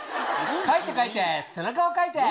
かいてかいて、背中をかいて。